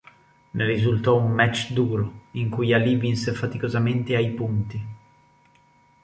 Ne risultò un match duro, in cui Alì vinse faticosamente ai punti.